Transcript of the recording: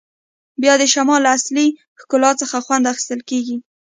بیا د شمال له اصلي ښکلا څخه خوند اخیستل کیږي